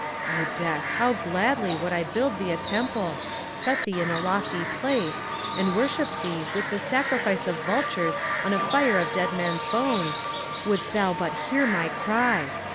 Oh Death, how gladly would I build thee a temple, set thee in a lofty place, and worship thee with the sacrifice of vultures on a fire of dead men's bones, wouldst thou but hear my cry!